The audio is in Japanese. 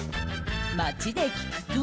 街で聞くと。